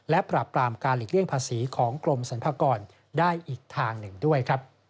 และปราบปรามการหลีกเลี่ยงภาษีของกรมสรรพากรได้อีกทางหนึ่งด้วยครับ